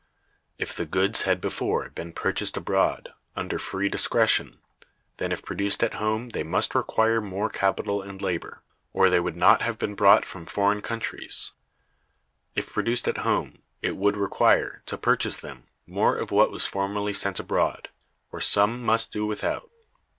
If the goods had before been purchased abroad, under free discretion, then if produced at home they must require more capital and labor, or they would not have been brought from foreign countries. If produced at home, it would require, to purchase them, more of what was formerly sent abroad; or some must do without.